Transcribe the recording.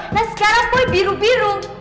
nah sekarang kok biru biru